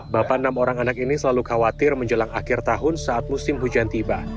bapak enam orang anak ini selalu khawatir menjelang akhir tahun saat musim hujan tiba